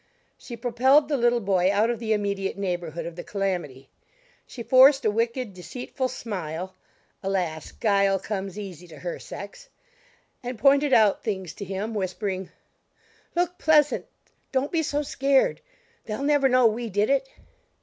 She propelled the little boy out of the immediate neighborhood of the calamity; she forced a wicked, deceitful smile (alas! guile comes easy to her sex) and pointed out things to him, whispering, "Look pleasant! Don't be so scared! They'll never know we did it."